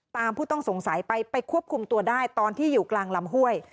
ผู้ต้องสงสัยไปไปควบคุมตัวได้ตอนที่อยู่กลางลำห้วย